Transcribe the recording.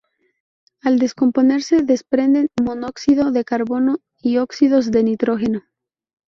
Al descomponerse desprende monóxido de carbono y óxidos de nitrógeno.